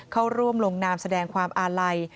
เข้าร่วมลงนามแสดงความอาลัย